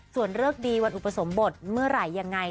ส่วนเลิกดีวันอุปสมบทเมื่อไหร่ยังไง